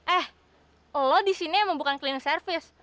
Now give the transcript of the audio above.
eh lo disini emang bukan cleaning service